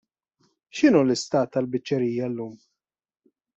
X'inhu l-istat tal-biċċerija llum?